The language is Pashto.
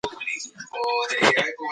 تاسو کله راغلي یئ؟